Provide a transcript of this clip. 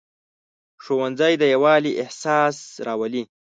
ښوونځی د یووالي احساس راولي